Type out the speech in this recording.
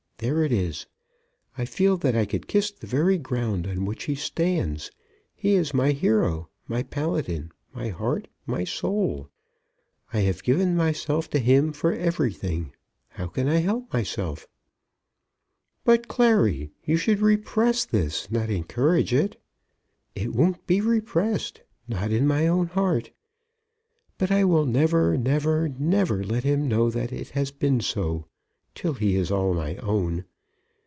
There it is. I feel that I could kiss the very ground on which he stands. He is my hero, my Paladin, my heart, my soul. I have given myself to him for everything. How can I help myself?" "But, Clary, you should repress this, not encourage it." "It won't be repressed, not in my own heart. But I will never, never, never let him know that it has been so, till he is all my own.